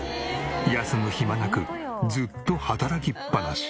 休む暇なくずっと働きっぱなし。